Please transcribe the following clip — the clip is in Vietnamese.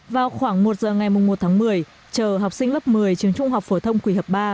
vào khoảng một giờ ngày một tháng một mươi chờ học sinh lớp một mươi trường trung học phổ thông quỳ hợp ba